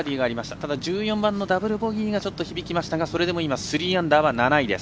ただ、１４番のダブルボギーが響きましたがそれでも今、３アンダーは７位。